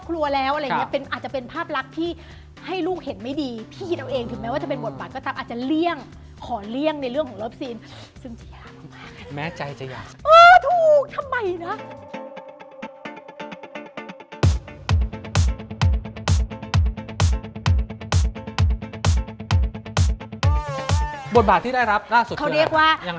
แล้วก็แบบทำตาเหลือกนิดนึง